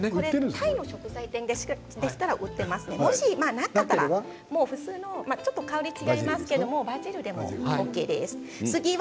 タイの食材店だったら売っていますし、もしなかったら普通の、香りがちょっと違いますがバジルでもＯＫです。